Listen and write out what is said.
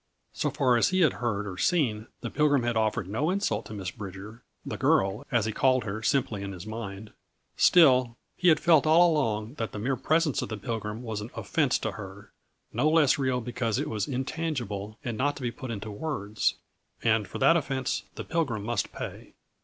So far as he had heard or seen, the Pilgrim had offered no insult to Miss Bridger "the girl," as he called her simply in his mind. Still, he had felt all along that the mere presence of the Pilgrim was an offense to her, no less real because it was intangible and not to be put into words; and for that offense the Pilgrim must pay.